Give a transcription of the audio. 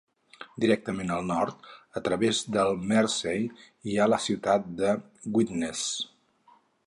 Directament al nord a través del Mersey hi ha la ciutat de Widnes.